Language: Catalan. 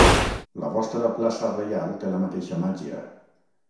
La vostra plaça Reial té la mateixa màgia...